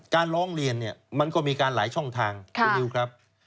ร้องเรียนเนี่ยมันก็มีการหลายช่องทางคุณนิวครับ